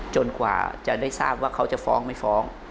กว่าจะได้ทราบว่าเขาจะฟ้องไม่ฟ้อง